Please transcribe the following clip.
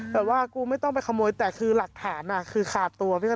แบบว่ากูไม่ต้องไปขโมยแต่คือหลักฐานคือขาดตัวพี่แ